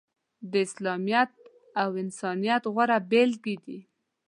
د اسلامیت او انسانیت غوره بیلګې دي.